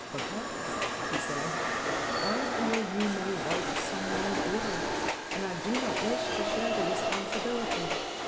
'Because,' he said, 'I fear you may write some wrong order, and I do not wish to share the responsibility.'